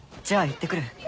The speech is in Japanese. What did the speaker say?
じゃあ行ってくる。